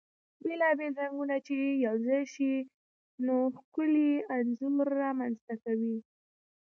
بيلا بيل رنګونه چی يو ځاي شي ، نو ښکلی انځور رامنځته کوي .